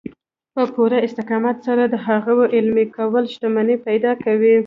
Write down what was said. په پوره استقامت سره د هغو عملي کول شتمني پيدا کوي.